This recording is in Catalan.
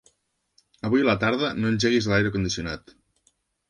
Avui a la tarda no engeguis l'aire condicionat.